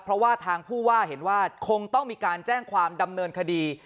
เพราะว่าทางผู้ว่าเห็นว่าคงต้องมีการแจ้งความดำเนินคดี